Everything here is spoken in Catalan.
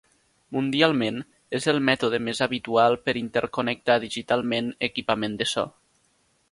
Mundialment, és el mètode més habitual per interconnectar digitalment equipament de so.